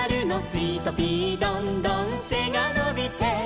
「スイトピーどんどん背が伸びて」